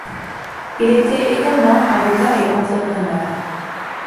Il était également avocat et entrepreneur.